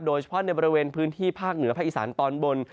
โดยเฉพาะในบริเวณพื้นที่ภาคเหนือภาคอีสานตอนบน